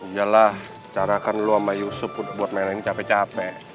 yalah carakan lo sama yusuf udah buat mainan ini capek capek